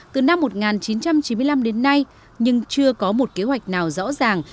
từ năm một nghìn chín trăm chín mươi năm đến nay nhưng chưa có một kế hoạch nào rõ ràng